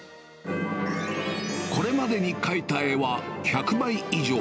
これまでに描いた絵は１００枚以上。